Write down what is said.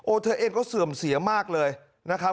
เธอเองก็เสื่อมเสียมากเลยนะครับ